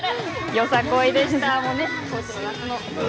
よさこいでした。